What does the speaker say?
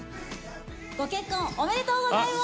ご結婚おめでとうございます。